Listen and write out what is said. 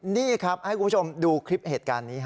นี่ครับให้คุณผู้ชมดูคลิปเหตุการณ์นี้